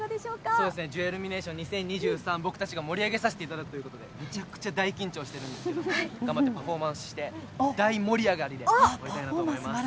そうですね、ジュエルミネーション２０２３、僕たちが盛り上げさせていただくということで、めちゃくちゃ大緊張してるんですけど、頑張ってパフォーマンスして、大盛り上がりでやりたいと思います。